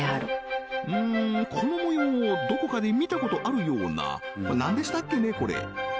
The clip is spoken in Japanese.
うんこの模様どこかで見たことあるような何でしたっけねこれ？